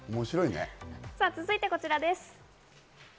続いてはこちらです。